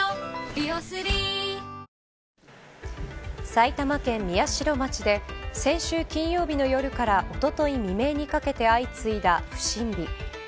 埼玉県宮代町で先週金曜日の夜からおととい未明にかけて相次いだ不審火。